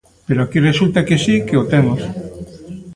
Pero aquí resulta que si que o temos.